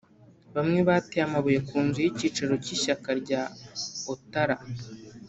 Bamwe bateye amabuye ku nzu y’icyicaro cy’ishyaka rya Outtara